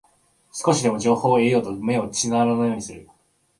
少しでも情報を得ようと目を皿のようにする